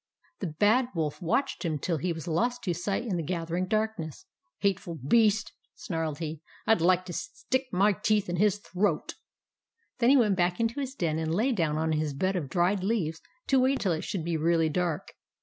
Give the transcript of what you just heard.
The Bad Wolf watched him till he was lost to sight in the gathering darkness. " Hateful beast !" snarled he. " I'd like to stick my teeth in his throat !" Then he went back into his den and lay down on his bed of dried leaves to wait till it should be really dark.